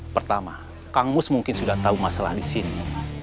pertama kang mus mungkin sudah tahu masalah di sini